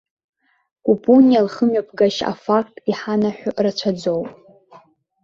Купуниа лхымҩаԥгашьа афакт иҳанаҳәо рацәаӡоуп.